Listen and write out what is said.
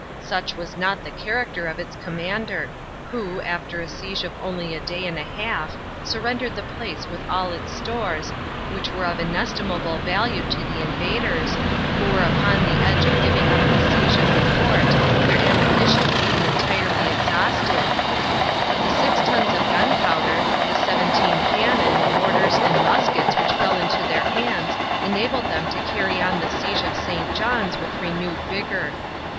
Such was not the character of its commander, who, after a siege of only a day and a half, surrendered the place with all its stores, which were of inestimable value to the invaders, who were upon the edge of giving up the siege of the fort; their ammunition being entirely exhausted; but the six tons of gunpowder, the seventeen cannon, mortars, and muskets which fell into their hands enabled them to carry on the siege of St. John's with renewed vigor.